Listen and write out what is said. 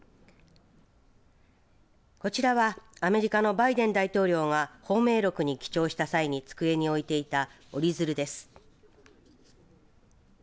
こちらはアメリカのバイデン大統領が芳名録に記帳した際に机に置いていた折り鶴です。